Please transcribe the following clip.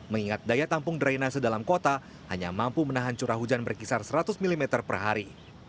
mengingat daya tampung drainase dalam kota hanya mampu menahan curah hujan berkisar seratus mm per hari